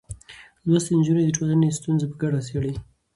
لوستې نجونې د ټولنې ستونزې په ګډه څېړي.